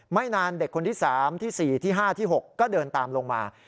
ไม่นานเด็กคนที่๓ที่๔ที่๕ที่๖ก็เดินตามลงมา